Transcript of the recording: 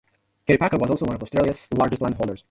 Kerry Packer was also one of Australia's largest landholders.